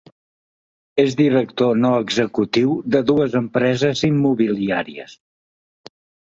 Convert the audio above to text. És director no executiu de dues empreses immobiliàries.